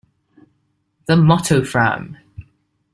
The motto Fram!